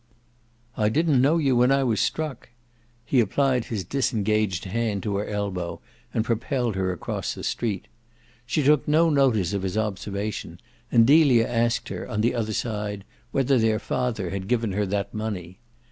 "I didn't know you when I was struck." He applied his disengaged hand to her elbow and propelled her across the street. She took no notice of his observation, and Delia asked her, on the other side, whether their father had given her that money.